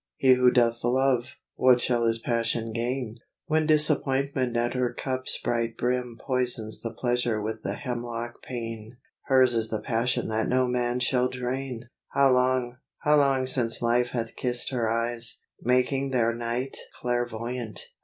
He who doth love, what shall his passion gain? When disappointment at her cup's bright brim Poisons the pleasure with the hemlock pain? Hers is the passion that no man shall drain. How long, how long since Life hath kissed her eyes, Making their night clairvoyant!